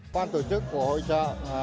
ban tổ chức của hội trợ